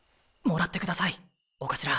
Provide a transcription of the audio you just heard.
もらってくださいお頭。